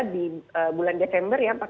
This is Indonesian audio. di bulan desember ya